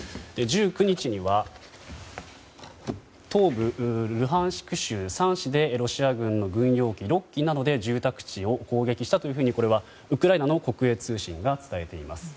１９日には東部ルハンシク州３市でロシア軍の軍用機６機などで住宅地を攻撃したというふうにこれはウクライナの国営通信が伝えています。